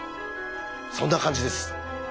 そんな感じです。